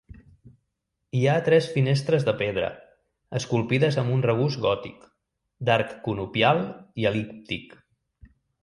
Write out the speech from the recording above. Hi ha tres finestres de pedra, esculpides amb un regust gòtic, d'arc conopial i el·líptic.